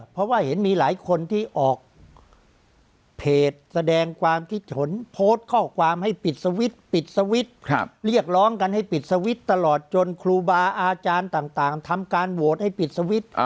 เพราะว่าเห็นมีหลายคนที่ออกเพจแสดงความคิดเห็นโพสต์ข้อความให้ปิดสวิตช์ปิดสวิตช์เรียกร้องกันให้ปิดสวิตช์ตลอดจนครูบาอาจารย์ต่างทำการโหวตให้ปิดสวิตช์